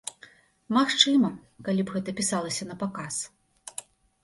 Магчыма, калі б гэта пісалася напаказ.